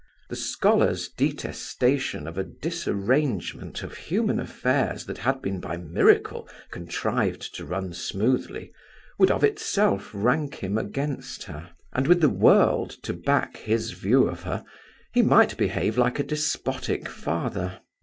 The scholar's detestation of a disarrangement of human affairs that had been by miracle contrived to run smoothly, would of itself rank him against her; and with the world to back his view of her, he might behave like a despotic father.